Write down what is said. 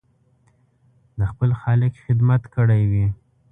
د خپل خالق خدمت کړی وي.